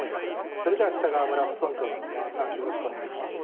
それでは北川村副村長の野見山さんよろしくお願いします。